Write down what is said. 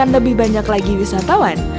lebih banyak lagi wisatawan